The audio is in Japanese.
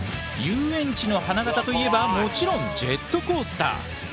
遊園地の花形といえばもちろんジェットコースター。